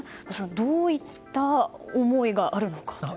どういった思いがあるのか。